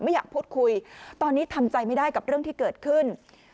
อยากพูดคุยตอนนี้ทำใจไม่ได้กับเรื่องที่เกิดขึ้น